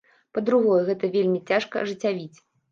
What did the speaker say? Па-другое, гэта вельмі цяжка ажыццявіць.